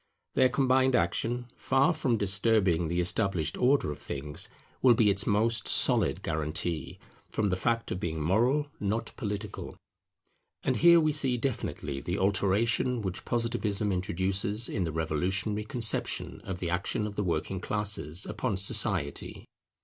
Their combined action, far from disturbing the established order of things, will be its most solid guarantee, from the fact of being moral, not political. And here we see definitely the alteration which Positivism introduces in the revolutionary conception of the action of the working classes upon society.